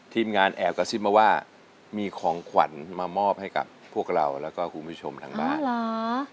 ทีมงานแอบกระซิบมาว่ามีของขวัญมามอบให้กับพวกเราแล้วก็คุณผู้ชมทางบ้านเหรอ